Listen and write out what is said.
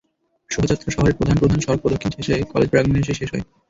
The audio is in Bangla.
শোভাযাত্রা শহরের প্রধান প্রধান সড়ক প্রদক্ষিণ শেষে কলেজ প্রাঙ্গণে এসে শেষ হয়।